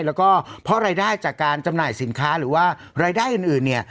แล้วก็เพราะรายได้จากการจำหน่ายสินค้าหรือว่ารายได้อื่นเนี่ย